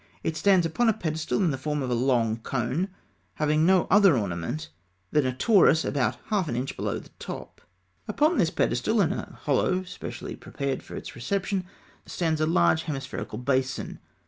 It stands upon a pedestal in the form of a long cone, having no other ornament than a torus about half an inch below the top. Upon this pedestal, in a hollow specially prepared for its reception, stands a large hemispherical basin.